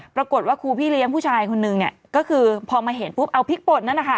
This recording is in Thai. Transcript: ปรากฏว่าครูพี่เลี้ยงผู้ชายคนนึงเนี่ยก็คือพอมาเห็นปุ๊บเอาพริกป่นนั่นนะคะ